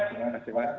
terima kasih pak